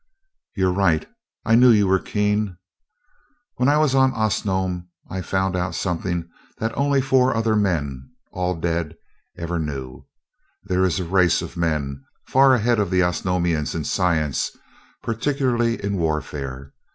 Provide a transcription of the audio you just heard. "You're right I knew you were keen. When I was on Osnome I found out something that only four other men all dead ever knew. There is a race of men far ahead of the Osnomians in science, particularly in warfare.